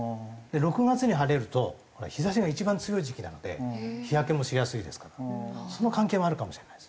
６月に晴れると日差しが一番強い時期なので日焼けもしやすいですからその関係もあるかもしれないですね。